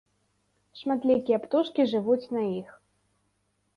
Шматлікія птушкі жывуць на іх.